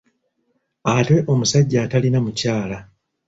Ate omusajja atalina mukyala?